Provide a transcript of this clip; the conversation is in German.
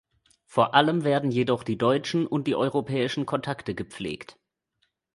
Vor allem werden jedoch die deutschen und die europäischen Kontakte gepflegt.